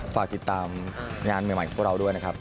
ฝากติดตามงานใหม่ของพวกเราด้วยนะครับ